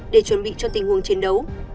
để chuẩn bị cho tình huống chiến đấu